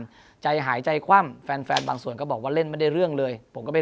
ใจหายใจคว่ำแฟนแฟนบางส่วนก็บอกว่าเล่นไม่ได้เรื่องเลยผมก็ไม่